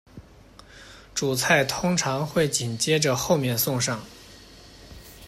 主菜通常会紧接着后面送上。